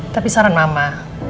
tapi saran mama